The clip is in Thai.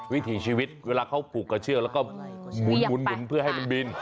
วิถีชีวิตเวลาเขาผูกกระเชือกแล้วก็หมุนเพื่อให้มันบิน